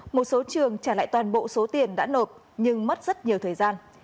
một số trường trả lại toàn bộ số tiền đã nộp nhưng mất rất nhiều thời gian